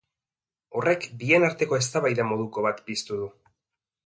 Horrek bien arteko eztabaida moduko bat piztu du.